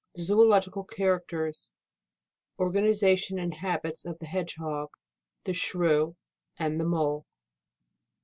Zoological characters. Organization and habits of the Hedge hog. The Shrew, and the Mole.